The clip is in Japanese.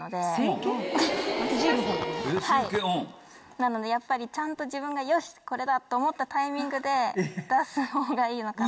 なのでやっぱりちゃんと自分がよしこれだ！と思ったタイミングで出すほうがいい。